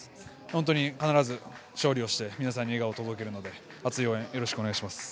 本当に必ず勝利して皆さんに笑顔を届けるので、熱い応援をお願いします。